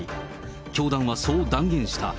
教団はそう断言した。